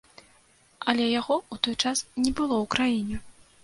Але яго ў той час не было ў краіне.